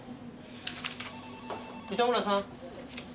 糸村さん。